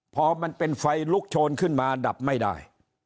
พอมันเป็นไฟลุกโชนขึ้นมาดับไม่ได้